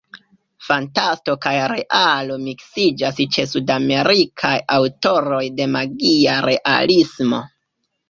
Fantasto kaj realo miksiĝas ĉe Sudamerikaj aŭtoroj de magia realismo.